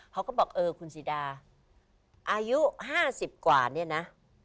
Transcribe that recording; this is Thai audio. เขาก็บอกเออคุณสีดาอายุ๕๐กว่าเนี่ยนะ